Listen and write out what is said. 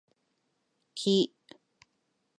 木